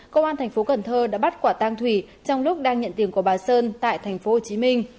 công an thành phố cần thơ đã bắt quả tang thủy trong lúc đang nhận tiền của bà sơn tại thành phố hồ chí minh